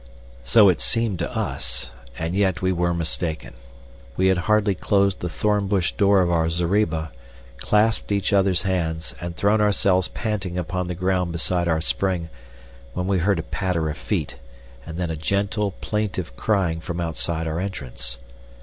So it seemed to us; and yet we were mistaken. We had hardly closed the thornbush door of our zareba, clasped each other's hands, and thrown ourselves panting upon the ground beside our spring, when we heard a patter of feet and then a gentle, plaintive crying from outside our entrance.